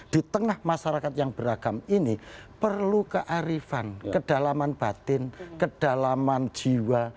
di tengah masyarakat yang beragam ini perlu kearifan kedalaman batin kedalaman jiwa